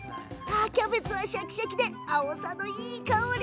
キャベツはシャキシャキであおさのいい香り。